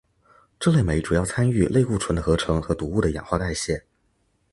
这类酶主要参与类固醇的合成和毒物的氧化代谢。